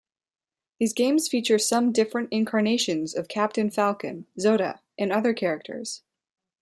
These games feature some different incarnations of Captain Falcon, Zoda, and other characters.